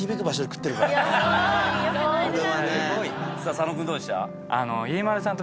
佐野君どうでした？